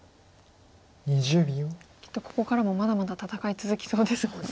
きっとここからもまだまだ戦い続きそうですもんね。